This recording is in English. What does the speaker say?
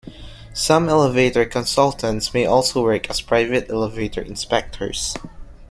Some elevator consultants may also work as private elevator inspectors.